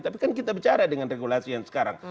tapi kan kita bicara dengan regulasi yang sekarang